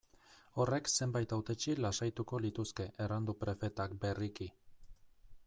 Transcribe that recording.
Horrek zenbait hautetsi lasaituko lituzke, erran du prefetak berriki.